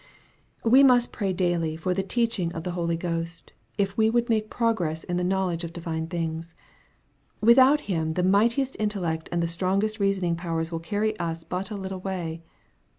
We must pray daily for the teaching of the Holy Ghost, if we would make progress in the knowledge of divine things. Without Him, the mightiest intellect and the strongest reasoning powers will carry us but a little way.